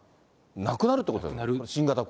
なくなるっていうことですよね。